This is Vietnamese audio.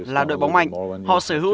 là đội bóng mạnh họ sở hữu